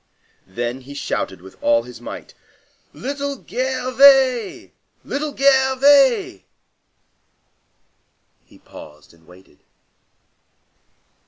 Then he shouted with all his might:— "Little Gervais! Little Gervais!" He paused and waited.